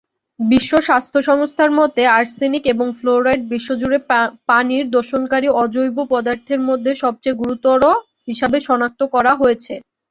বিশ্ব স্বাস্থ্য সংস্থার মতে আর্সেনিক এবং ফ্লোরাইড বিশ্বজুড়ে পানির দূষণকারী অজৈব পদার্থের মধ্যে সবচেয়ে গুরুতর হিসাবে সনাক্ত করা হয়েছে।